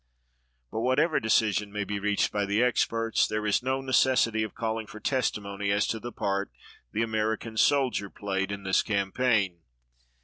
But whatever decision may be reached by the experts, there is no necessity of calling for testimony as to the part the American soldier played in this campaign.